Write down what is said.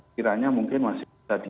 kiranya mungkin masih bisa di